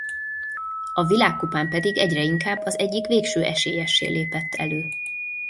A világkupán pedig egyre inkább az egyik végső esélyessé lépett elő.